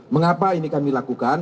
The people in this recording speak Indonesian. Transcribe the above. mengapa ini kami lakukan